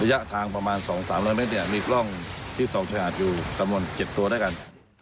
ระยะทางประมาณ๒๓๐๐เมตรเนี่ยมีกล้องที่๒ชายหาดอยู่จำนวน๗ตัวด้วยกัน